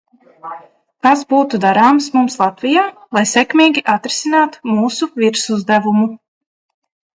Kas būtu darāms mums Latvijā, lai sekmīgi atrisinātu mūsu virsuzdevumu?